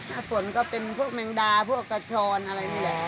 ถ้าฝนก็เป็นพวกแมงดาพวกกระชอนอะไรนี่แหละ